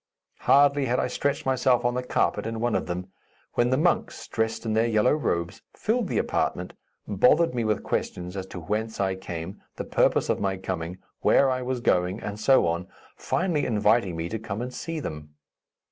Hardly had I stretched myself on the carpet in one of them, when the monks, dressed in their yellow robes, filled the apartment, bothered me with questions as to whence I came, the purpose of my coming, where I was going, and so on, finally inviting me to come and see them.